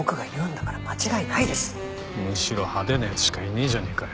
むしろ派手な奴しかいねえじゃねえかよ。